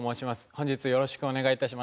本日よろしくお願いいたします。